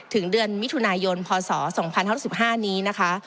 ถึงเดือนมิถุนายนพศ๒๕๖๕นี้นะคะ